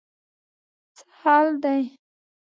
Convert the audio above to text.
څه حال دی.